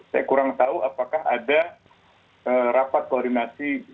saya kurang tahu apakah ada rapat koordinasi